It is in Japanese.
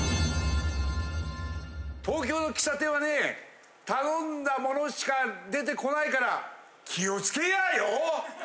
東京の喫茶店はね、頼んだものしか出てこないから気をつけやぁよ。